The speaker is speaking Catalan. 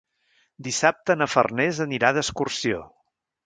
Dissabte na Farners anirà d'excursió.